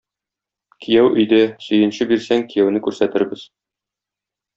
Кияү өйдә, сөенче бирсәң, кияүне күрсәтербез.